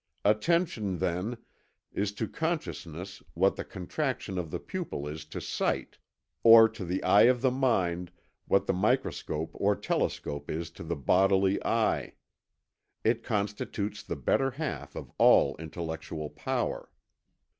Attention, then, is to consciousness what the contraction of the pupil is to sight, or to the eye of the mind what the microscope or telescope is to the bodily eye. It constitutes the better half of all intellectual power."